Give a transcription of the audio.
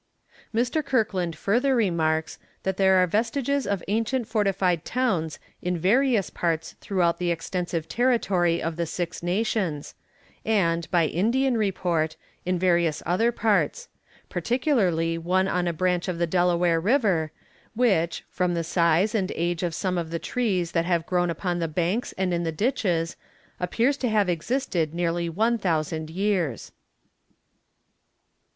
Mr. Kirkland further remarks, that there are vestiges of ancient fortified towns in various parts throughout the extensive territory of the Six Nations, and, by Indian report, in various other parts; particularly one on a branch of the Delaware river, which, from the size and age of some of the trees that have grown upon the banks and in the ditches, appears to have existed nearly one thousand years.